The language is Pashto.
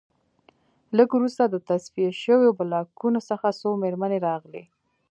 لږ وروسته د تصفیه شویو بلاکونو څخه څو مېرمنې راغلې